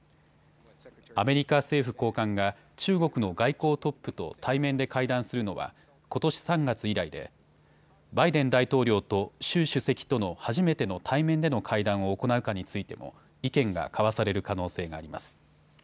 アメリカ政府高官が中国の外交トップと対面で会談するのはことし３月以来でバイデン大統領と習主席との初めての対面での会談を行うかについても意見が交わされる可能性があります。